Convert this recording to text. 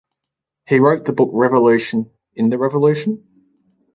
He wrote the book Revolution in the Revolution?